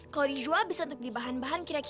kalau dijual bisa untuk dibahan bahan kayak gini